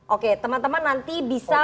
oke teman teman nanti bisa